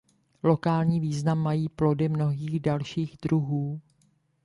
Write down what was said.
Lokální význam mají plody mnohých dalších druhů.